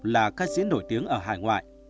là ca sĩ nổi tiếng ở hải ngoại